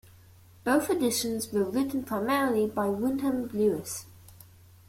Both editions were written primarily by Wyndham Lewis.